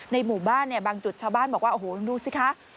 ในหมู่บ้านบางจุดชาวบ้านบอกว่าโอ้โหดูสิคะ